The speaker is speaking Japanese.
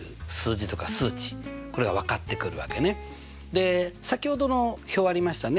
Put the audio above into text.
で先ほどの表ありましたね